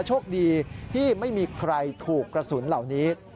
โชคดีที่ไม่มีใครถูกกระสุนเหล่านี้